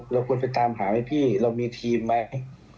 เราควรไปตามหาไหมพี่เรามีทีมไหม